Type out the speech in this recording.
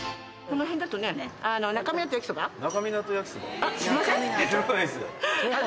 この辺だとね。